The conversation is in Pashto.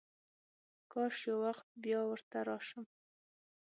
کاش یو وخت بیا ورته راشم.